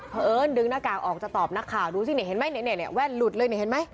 เผิ้ลดึงหน้ากากออกจะตอบหน้าข่าวดูซิเห็นไหมแว่นหลุดเลยเห็นไหม